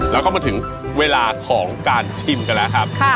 แล้วก็มาถึงเวลาของการชิมกันแล้วครับ